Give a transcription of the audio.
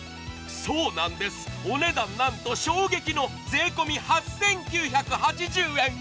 そうなんです、お値段なんと衝撃の税込８９８０円！